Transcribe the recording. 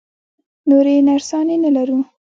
نورې نرسانې نه لرو؟